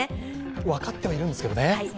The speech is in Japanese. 分かってはいるんですけどね。